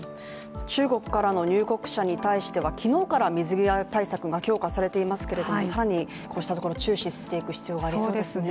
中国からの入国者に対しては昨日から水際対策が強化されていますけれども更にこうしたところ注視していく必要がありそうですね。